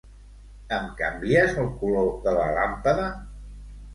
Em canvies el color de la làmpada?